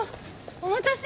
お待たせ。